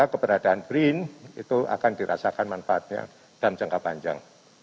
keberadaan brin itu akan dirasakan manfaatnya dalam jangka panjang